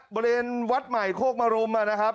บริเวณวัดใหม่โคกมรุมนะครับ